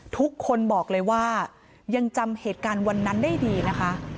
ทุกคนบอกเลยว่ายังจำเหตุการณ์วันนั้นได้ดีนะคะ